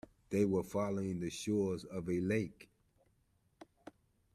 They were following the shore of a lake.